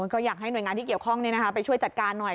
ก็อยากให้หน่วยงานที่เกี่ยวข้องไปช่วยจัดการหน่อย